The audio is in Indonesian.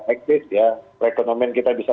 eksis ya perekonomian kita bisa